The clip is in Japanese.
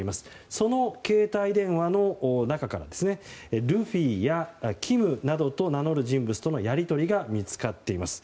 その携帯電話の中からルフィやキムなどと名乗る人物とのやり取りが見つかっています。